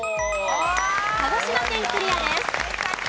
鹿児島県クリアです。